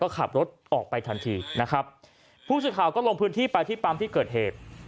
ก็ขับรถออกไปทันทีนะครับผู้สื่อข่าวก็ลงพื้นที่ไปที่ปั๊มที่เกิดเหตุ